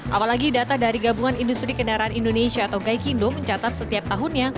apalagi data dari gabungan industri kendaraan indonesia atau gaikindo mencatat setiap tahunnya